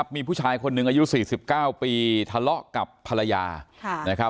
มีผู้ชายคนหนึ่งอายุ๔๙ปีทะเลาะกับภรรยา